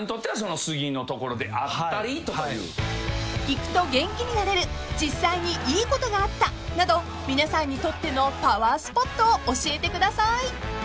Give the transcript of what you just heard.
［行くと元気になれる実際にいいことがあったなど皆さんにとってのパワースポットを教えてください］